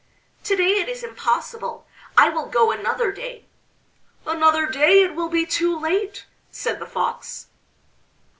"To day it is impossible, I will go another day." "Another day it will be too late!" said the Fox.